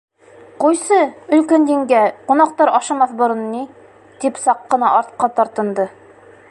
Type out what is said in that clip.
— Ҡуйсы, өлкән еңгә, ҡунаҡтар ашамаҫ борон ни, — тип саҡ ҡына артҡа тартынды.